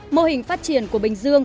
mô hình phát triển của bình dương